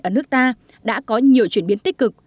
ở nước ta đã có nhiều chuyển biến tích cực